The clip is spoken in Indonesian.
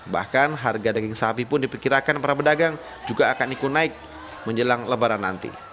bahkan harga daging sapi pun diperkirakan para pedagang juga akan ikut naik menjelang lebaran nanti